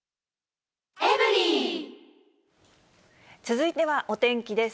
続いてはお天気です。